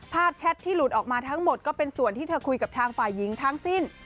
แชทที่หลุดออกมาทั้งหมดก็เป็นส่วนที่เธอคุยกับทางฝ่ายหญิงทั้งสิ้น